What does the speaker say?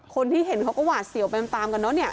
คนที่เห็นเขาก็หวาดเสี่ยวไปตามกัน